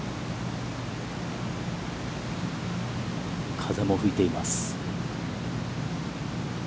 風も吹いています。